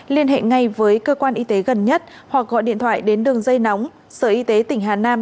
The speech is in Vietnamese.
liên hệ ngay với cơ quan y tế gần nhất hoặc gọi điện thoại đến đường dây nóng sở y tế tỉnh hà nam